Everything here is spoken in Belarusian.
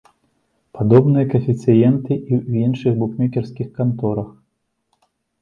Падобныя каэфіцыенты і ў іншых букмекерскіх канторах.